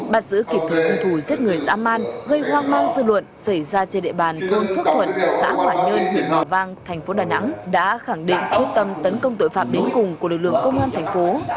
bắt giữ kịp thời hung thủ giết người dã man gây hoang mang dư luận xảy ra trên địa bàn thôn phước thuận xã hòa nhơn huyện hòa vang thành phố đà nẵng đã khẳng định quyết tâm tấn công tội phạm đến cùng của lực lượng công an thành phố